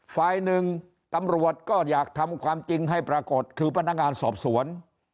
ฝ่ายหนึ่งตำรวจก็อยากทำความจริงให้ปรากฏคือพนักงานสอบสวน